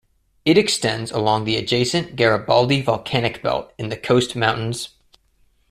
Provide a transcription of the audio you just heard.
It extends along the adjacent Garibaldi Volcanic Belt in the Coast Mountains.